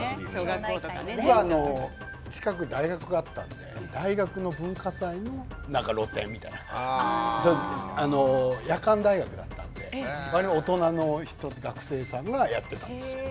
僕、近く大学があったので大学の文化祭の露店とか夜間大学だったのでわりと大人の学生さんがやっていた。